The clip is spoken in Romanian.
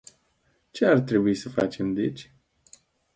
Ce ar trebui să facem deci?